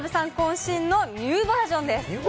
こん身のニューバージョンです。